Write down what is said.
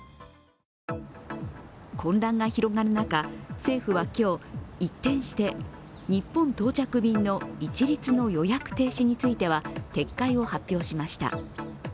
混乱が広がる中、政府は今日、一転して日本到着便の一律の予約停止については撤回を発表しました。